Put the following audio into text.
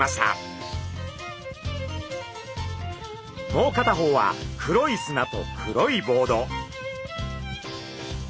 もう片方は黒い砂と黒いボード。